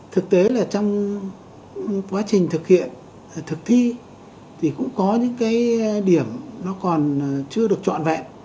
thực tế là trong quá trình thực hiện thực thi thì cũng có những cái điểm nó còn chưa được trọn vẹn